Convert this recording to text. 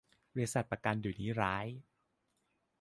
บริษัทประกันเดี๋ยวนี้ร้าย